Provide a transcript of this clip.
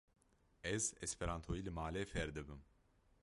Ez esperantoyî li malê fêr dibim.